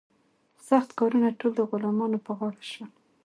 سخت کارونه ټول د غلامانو په غاړه شول.